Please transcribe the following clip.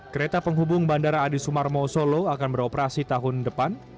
kereta penghubung bandara adi sumarmo solo akan beroperasi tahun depan